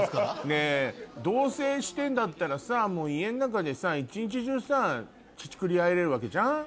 ねぇ同棲してんだったらさもう家の中でさ一日中さ乳繰り合えれるわけじゃん。